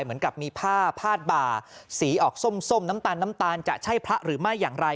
เหมือนกับมีผ้าพาดบ่าสีออกส้มน้ำตาลน้ำตาลจะใช่พระหรือไม่อย่างไร